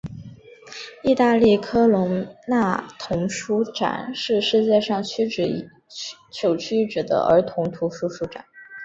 意大利波隆那童书展是世界上首屈一指的儿童图书书展。